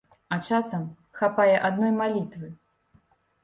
А часам хапае адной малітвы.